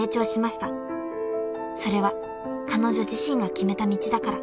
［それは彼女自身が決めた道だから］